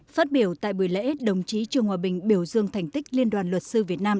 phát biểu tại buổi lễ đồng chí trương hòa bình biểu dương thành tích liên đoàn luật sư việt nam